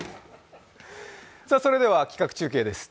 それでは企画中継です。